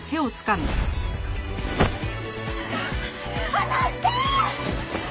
離して！